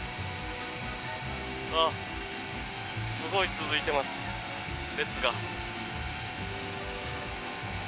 すごい続いてます、列が。